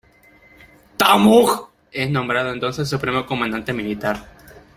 Ta Mok es nombrado entonces Supremo Comandante Militar.